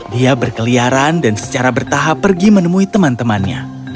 dia berkeliaran dan secara bertahap pergi menemui teman temannya